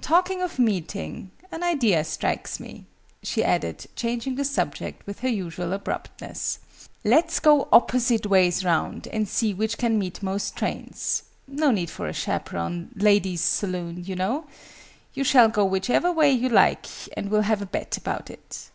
Talking of meeting, an idea strikes me!" she added, changing the subject with her usual abruptness. "Let's go opposite ways round, and see which can meet most trains. No need for a chaperon ladies' saloon, you know. You shall go whichever way you like, and we'll have a bet about it!"